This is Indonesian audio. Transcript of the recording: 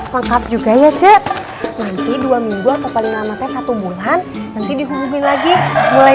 lengkap juga ya cek nanti dua minggu atau paling lama teh satu bulan nanti dihubungin lagi mulai